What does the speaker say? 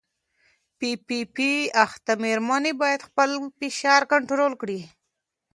پي پي پي اخته مېرمنې باید خپل فشار کنټرول کړي.